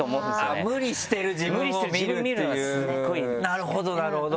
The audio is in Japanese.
なるほどなるほど！